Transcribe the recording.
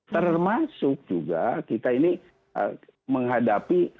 termasuk juga kita ini menghadapi